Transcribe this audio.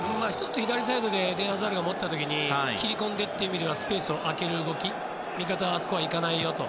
１つ、左サイドでエデン・アザールが持った時に切り込んでという意味ではスペースを空ける動き味方はあそこには行かないよと。